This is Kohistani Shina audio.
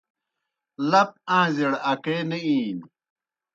لپ آݩزیْڑ اکے نہ اِینیْ